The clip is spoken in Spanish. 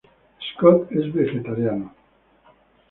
Scott es vegetariano.